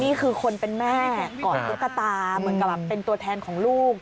นี่คือคนเป็นแม่กอดตุ๊กตาเหมือนกับเป็นตัวแทนของลูก